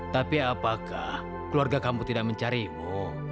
tapi apakah keluarga kamu tidak mencarimu